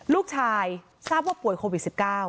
ลูกชายทราบว่าป่วยโควิด๑๙